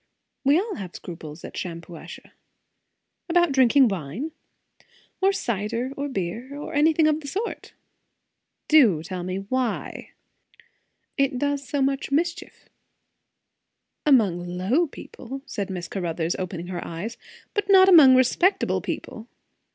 "We all have scruples at Shampuashuh." "About drinking wine?" "Or cider, or beer, or anything of the sort." "Do tell me why." "It does so much mischief." "Among low people," said Miss Caruthers, opening her eyes; "but not among respectable people."